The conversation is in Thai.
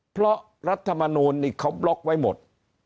เพราะรัฐมนูลนี่เขาบล็อกไว้หมด